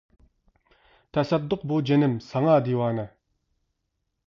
تەسەددۇق بۇ جېنىم ساڭا دىۋانە!